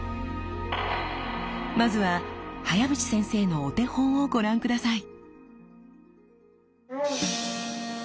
まずは早淵先生のお手本をご覧下さい。